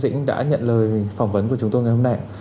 thượng tá lê văn thánh đã nhận lời phỏng vấn của chúng tôi ngày hôm nay